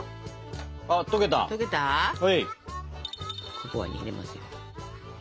ココアに入れますよ。